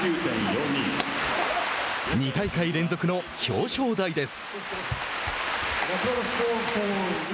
２大会連続の表彰台です。